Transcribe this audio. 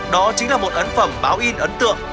đó chính là một ấn phẩm báo in ấn tượng